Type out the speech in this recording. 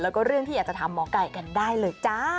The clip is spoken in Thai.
แล้วก็เรื่องที่อยากจะถามหมอไก่กันได้เลยจ้า